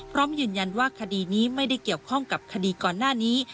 พร้อมยืนยันว่าคดีนี้ไม่ได้เกี่ยวข้องกับคดีก่อนหน้านี้